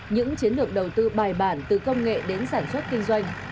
những chiến lược đầu tư bài bản từ công nghệ đến sản xuất kinh doanh